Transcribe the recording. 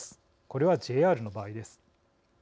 これは、ＪＲの場合です。